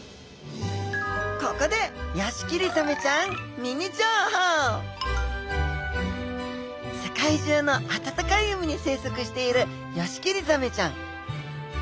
ここでヨシキリザメちゃんミニ情報世界中の暖かい海に生息しているヨシキリザメちゃん。